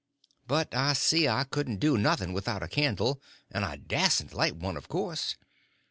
But I see I couldn't do nothing without a candle, and I dasn't light one, of course.